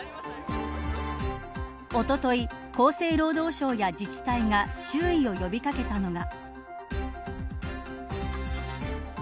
おととい、厚生労働省や自治体が注意を呼び掛けたのが。